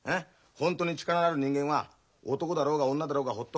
ホントに力のある人間は男だろうが女だろうがほっとかねえよ。